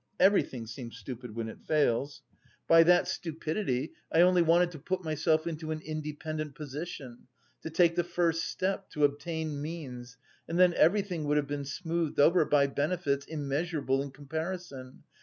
(Everything seems stupid when it fails.) By that stupidity I only wanted to put myself into an independent position, to take the first step, to obtain means, and then everything would have been smoothed over by benefits immeasurable in comparison....